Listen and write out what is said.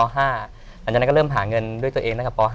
หลังจากนั้นก็เริ่มหาเงินด้วยตัวเองตั้งแต่ป๕